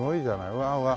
うわうわ。